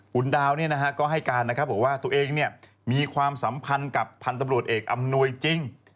คุณดาวก็ให้การนะครับบอกว่าตัวเองมีความสัมพันธ์กับพันธุ์ตำรวจเอกอำนวยจริง